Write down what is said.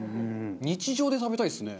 日常で食べたいですね。